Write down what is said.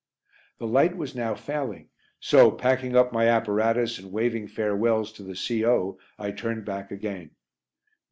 The light was now failing, so, packing up my apparatus, and waving farewells to the C.O., I turned back again.